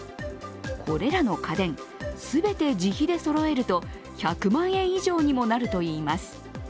これらの家電全て自費でそろえると１００万円以上にもなるといいます。